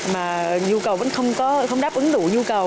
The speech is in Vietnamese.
mà nhu cầu vẫn không đáp ứng đủ nhu cầu